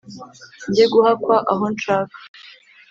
nge guhakwa aho nshaka